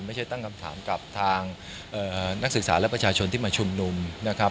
ตั้งคำถามกับทางนักศึกษาและประชาชนที่มาชุมนุมนะครับ